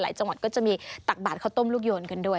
จังหวัดก็จะมีตักบาดข้าวต้มลูกโยนกันด้วย